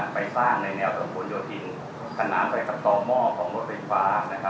ไปสร้างในแนวถนนโยธินขนานไปกับต่อหม้อของรถไฟฟ้า